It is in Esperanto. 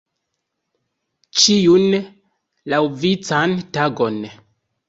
Ĉiun laŭvican tagon.